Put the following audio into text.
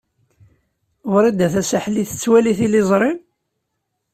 Wrida Tasaḥlit tettwali tiliẓri?